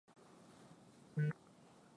Sisi tuko hapa mpaka saa nane ya usiku